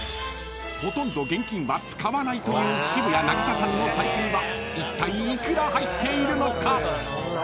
［ほとんど現金は使わないという渋谷凪咲さんの財布にはいったい幾ら入っているのか？］